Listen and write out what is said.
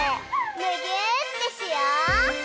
むぎゅーってしよう！